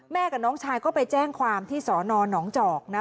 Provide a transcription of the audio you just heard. กับน้องชายก็ไปแจ้งความที่สอนอนหนองจอกนะ